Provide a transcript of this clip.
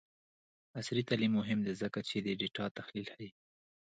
عصري تعلیم مهم دی ځکه چې د ډاټا تحلیل ښيي.